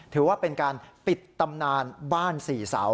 ถือว่าเป็นการปิดตำนานบ้านสี่เสา